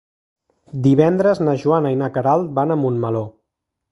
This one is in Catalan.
Divendres na Joana i na Queralt van a Montmeló.